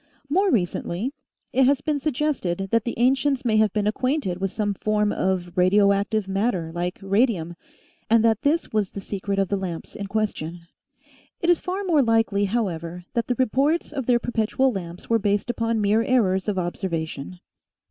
More recently it has been suggested that the ancients may have been acquainted with some form of radio active matter like radium, and that this was the secret of the lamps in question. It is far more likely, however, that the reports of their perpetual lamps were based upon mere errors of observation.